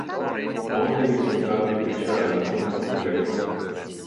Molti risultati ufficiali sono incompleti.